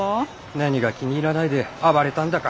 何が気に入らないで暴れたんだか。